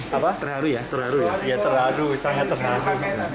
hari hari ya terlalu ya terlalu sangat terlalu